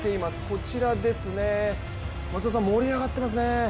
こちらですね、松田さん、盛り上がってますね。